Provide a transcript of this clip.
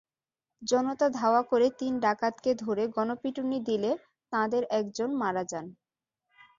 জনতা ধাওয়া করে তিন ডাকাতকে ধরে গণপিটুনি দিলে তাঁদের একজন মারা যান।